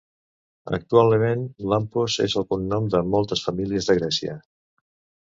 Actualment, Lampos és el cognom de moltes famílies de Grècia.